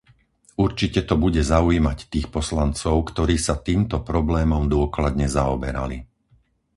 Určite to bude zaujímať tých poslancov, ktorí sa týmto problémom dôkladne zaoberali.